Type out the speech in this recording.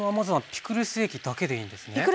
ピクルス液だけでいいです。